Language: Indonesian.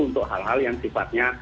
untuk hal hal yang sifatnya